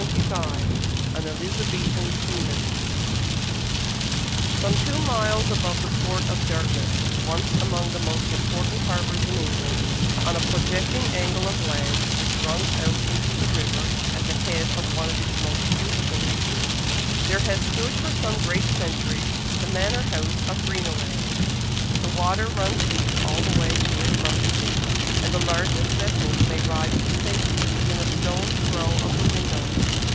Tennyson AN ELIZABETHAN SEAMAN Some two miles above the port of Dartmouth, once among the most important harbours in England, on a projecting angle of land which runs out into the river at the head of one of its most beautiful reaches, there has stood for some centuries the Manor House of Greenaway. The water runs deep all the way to it from the sea, and the largest vessels may ride with safety within a stone's throw of the windows.